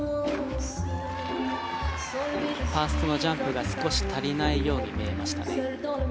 ファーストのジャンプが少し足りないように見えました。